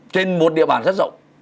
trên một địa bàn rất rộng